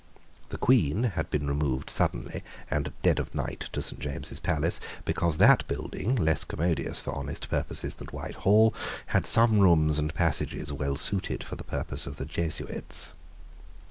The Queen had been removed suddenly and at the dead of night to St. James's Palace, because that building, less commodious for honest purposes than Whitehall, had some rooms and passages well suited for the purpose of the Jesuits.